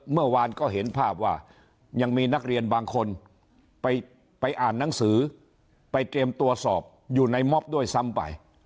เมื่อวานก็เห็นภาพว่ายังมีนักเรียนบางคนไปอ่านหนังสือไปเตรียมตรวจสอบอยู่ในมอบด้วยซ้ำไป